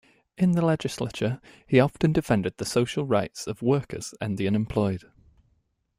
In the legislature, he often defended the social rights of workers and the unemployed.